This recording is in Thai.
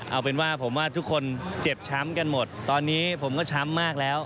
เอาเป็นว่าผมว่าทุกคนเจ็บช้ำกันหมดตอนนี้ผมก็ช้ำมากแล้ว